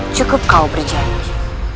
cukup kau berjaya